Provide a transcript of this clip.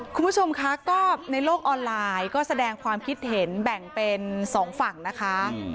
คุณผู้ชมคะก็ในโลกออนไลน์ก็แสดงความคิดเห็นแบ่งเป็นสองฝั่งนะคะ